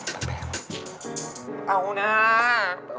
ถ้าเผยกูมันแพงหรอ